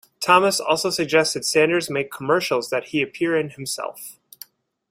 Thomas also suggested Sanders make commercials that he appear in himself.